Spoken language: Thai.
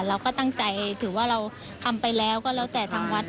เราก็ตั้งใจถือว่าเราทำไปแล้วก็แล้วแต่ทางวัด